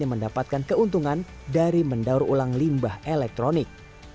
yang mendapatkan keuntungan dari mendaur ulang limbah elektronik